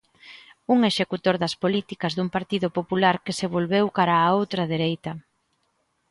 Un executor das políticas dun Partido Popular que se volveu cara á outra dereita.